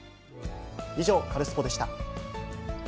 以上、カルスポっ！でした。